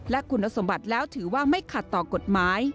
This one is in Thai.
และคุณสมบัติแล้วถือว่าไม่ขัดต่อกฎหมาย